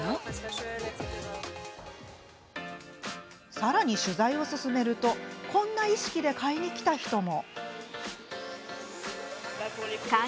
さらに、取材を進めるとこんな意識で買いに来た人も。